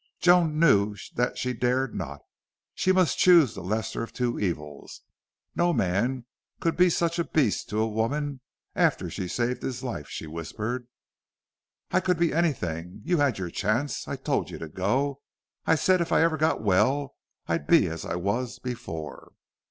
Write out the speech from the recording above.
Joan knew that she dared not. She must choose the lesser of two evils. "No man could be such a beast to a woman after she'd saved his life," she whispered. "I could be anything. You had your chance. I told you to go. I said if I ever got well I'd be as I was before."